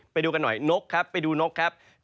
ไปดูกันหน่อยนกครับไปดูนกครับ